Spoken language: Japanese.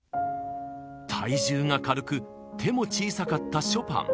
体重が軽く手も小さかったショパン。